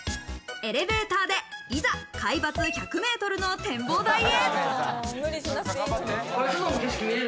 エレベーターでいざ海抜１００ｍの展望台へ。